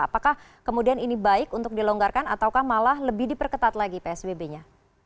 apakah kemudian ini baik untuk dilonggarkan ataukah malah lebih diperketat lagi psbb nya